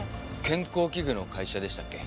健康器具の会社でしたっけ？